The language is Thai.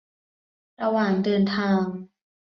ระหว่างเดินทาง